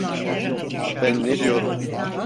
Ben ne diyorum?